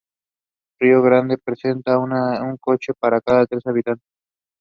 Dubosc gets into the house and destroys the evidence stabbing Julie in his escape.